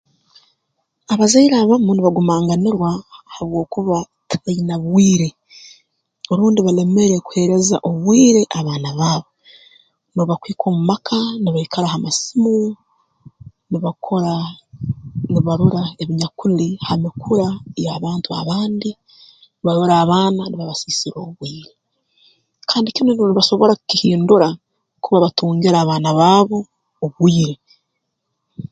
Abazaire abamu nibagumanganirwa habwokuba tibaine bwire rundi balemere kuheereza obwire abaana baabo n'obu bakuhika omu maka nibaikara ha masimu nibakora nibarora ebinyakuli ha mikura y'abantu abandi barora abaana nibabasiisira obwire kandi kinu nibo basobora kukihindura kakuba batungira abaana baabo obwire